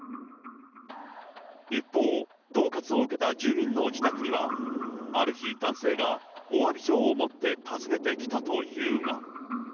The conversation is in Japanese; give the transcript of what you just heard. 一方、どう喝を受けた住民の自宅には、ある日、男性がおわび状を持って訪ねてきたというが。